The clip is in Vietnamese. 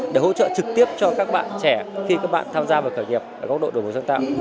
để hỗ trợ trực tiếp cho các bạn trẻ khi các bạn tham gia vào khởi nghiệp ở góc độ đổi mới sáng tạo